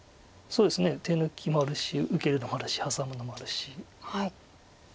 そうですね手抜きもあるし受けるのもあるしハサむのもあるしどれもありそうです。